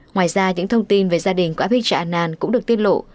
ngoài ra những thông tin về gia đình của abhijit anand cũng được tiết lộ